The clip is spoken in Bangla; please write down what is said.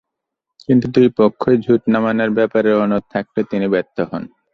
কিন্তু দুই পক্ষই ঝুট নামানোর ব্যাপারে অনড় থাকলে তিনি ব্যর্থ হন।